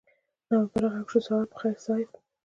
ناببره غږ شو سهار په خير صيب.